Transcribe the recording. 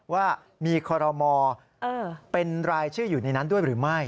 ว่ามีคอรมอเป็นรายชื่ออยู่ในนั้นด้วยหรือไม่